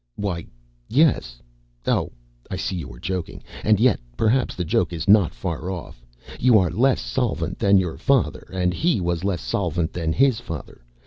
"Why, yes. Oh, I see, you are joking. And yet perhaps the joke is not far off. You are less solvent than your father and he was less solvent than his father.